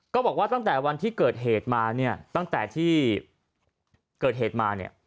ก็บอกว่าตั้งแต่วันที่เกิดเหตุมาเนี่ยตั้งแต่ที่เกิดเหตุมาเนี่ย